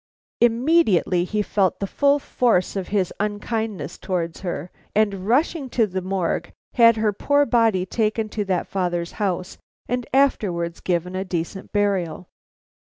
Immediately he felt the full force of his unkindness towards her, and rushing to the Morgue had her poor body taken to that father's house and afterwards given a decent burial.